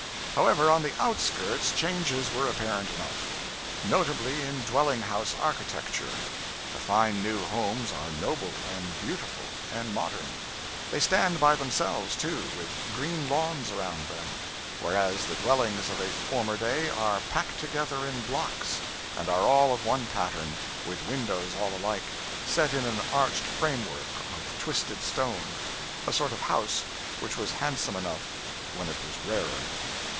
However, on the outskirts changes were apparent enough; notably in dwelling house architecture. The fine new homes are noble and beautiful and modern. They stand by themselves, too, with green lawns around them; whereas the dwellings of a former day are packed together in blocks, and are all of one pattern, with windows all alike, set in an arched frame work of twisted stone; a sort of house which was handsome enough when it was rarer.